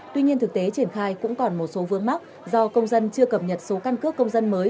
tuy nhiên thực tế triển khai cũng còn một số vướng mắc do công dân chưa cập nhật số căn cước công dân mới